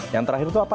yang terakhir itu apa